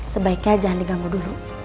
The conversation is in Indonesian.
sebaiknya jangan diganggu dulu